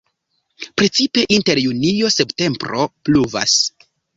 Precipe inter junio-septembro pluvas.